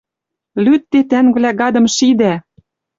Лӱдде, тӓнгвлӓ, гадым шидӓ!